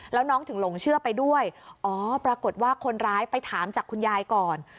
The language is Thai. แล้วน้องถึงหลงเชื่อไปด้วยอ๋อปรากฏว่าคนร้ายไปถามจากคุณยายก่อน